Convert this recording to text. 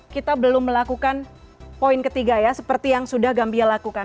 kita belum melakukan poin ketiga ya seperti yang sudah gambia lakukan